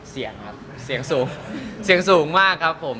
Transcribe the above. เสียงครับเสียงสูงมากครับผม